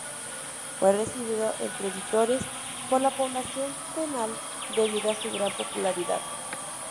Fue recibido entre vítores por la población penal debido a su gran popularidad.